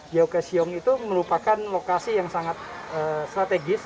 jauh kisong itu merupakan lokasi yang sangat strategis